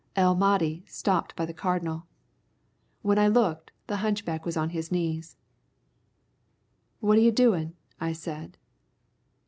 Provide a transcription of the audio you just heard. El Mahdi stopped by the Cardinal. When I looked, the hunchback was on his knees. "What are you doing?" I said.